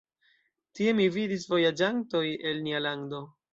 Tie mi vidis vojaĝantoj el nia lando.